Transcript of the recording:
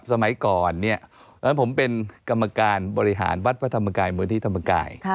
สมัยก่อนผมเป็นกรรมการบริหารวัดวัฒนธรรมกายมือที่ธรรมกาย